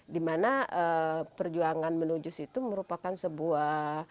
di mana perjuangan menuju situ merupakan sebuah